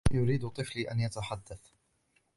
يريد طفلي أن يتحدث.